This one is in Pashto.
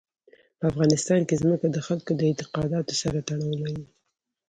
په افغانستان کې ځمکه د خلکو د اعتقاداتو سره تړاو لري.